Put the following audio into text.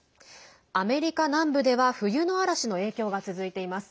アメリカ南部では冬の嵐の影響が続いています。